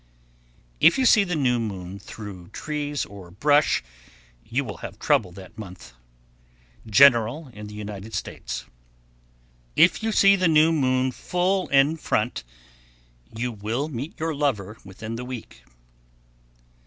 If you see the new moon through trees or brush, you will have trouble that month. General in the United States. 1106. If you see the new moon full in front, you will meet your lover within the week.